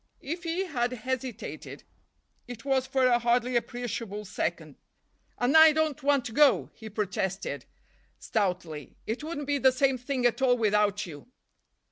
If he had hesitated, it was for a hardly appreciable second. "And I don't want to go," he protested stoutly, "it wouldn't be the same thing at all without you."